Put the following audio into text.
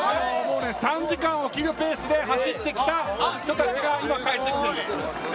３時間を切るペースで走ってきた人たちが今帰ってきています。